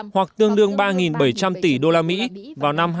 hoặc tương đương ba bảy trăm linh tỷ usd vào năm hai nghìn hai mươi